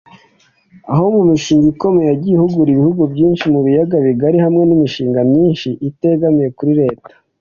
aho mu mishinga ikomeye yagiye ahugura ibihugu byinshi mu biyaga bigari hamwe n’imishinga myinshi itegamiye kuri leta